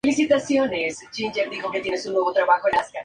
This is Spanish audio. En España, de Castilla y León hacia el este y hasta Albania.